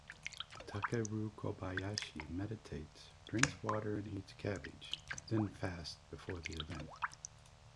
Takeru Kobayashi meditates, drinks water and eats cabbage, then fasts before the event.